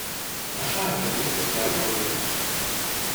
Așa ar trebui să stea lucrurile.